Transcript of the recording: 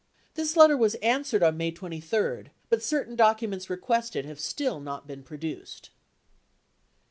This letter was answered on May 23, but certain documents re quested have still not been produced.